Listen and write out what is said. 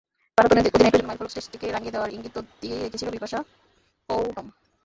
ভারত অধিনায়কের জন্য মাইলফলক টেস্টটিকে রাঙিয়ে দেওয়ার ইঙ্গিত তো দিয়েই রেখেছিল বিশাখাপত্তনম।